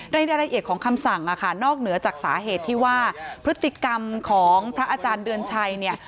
รายละเอียดของคำสั่งนอกเหนือจากสาเหตุที่ว่าพฤติกรรมของพระอาจารย์เดือนชัยเนี่ย